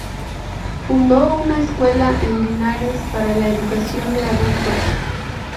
Fundó una escuela en Linares para la educación de adultos.